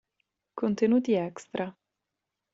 Contenuti Extra